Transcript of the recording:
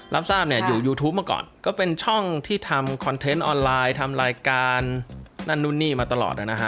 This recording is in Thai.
รับทราบเนี่ยอยู่ยูทูปมาก่อนก็เป็นช่องที่ทำคอนเทนต์ออนไลน์ทำรายการนั่นนู่นนี่มาตลอดนะฮะ